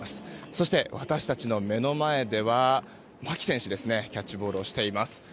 そして私たちの目の前では牧選手がキャッチボールをしています。